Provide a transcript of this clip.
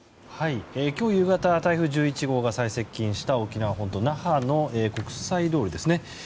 今日夕方台風１１号が最接近した沖縄本島、那覇の国際通りです。